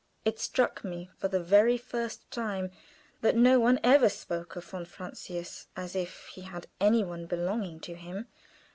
It struck me for the very first time that no one ever spoke of von Francius as if he had any one belonging to him.